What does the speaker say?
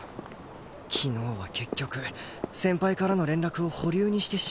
昨日は結局先輩からの連絡を保留にしてしまった